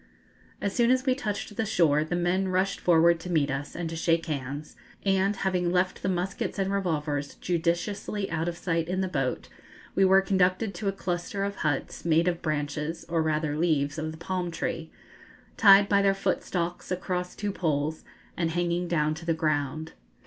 As soon as we touched the shore the men rushed forward to meet us, and to shake hands, and, having left the muskets and revolvers judiciously out of sight in the boat, we were conducted to a cluster of huts, made of branches, or rather leaves, of the palm tree, tied by their foot stalks across two poles, and hanging down to the ground.